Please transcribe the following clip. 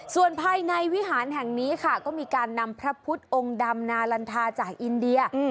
ส่วนภายในวิหารแห่งนี้ค่ะก็มีการนำพระพุทธองค์ดำนาลันทาจากอินเดีย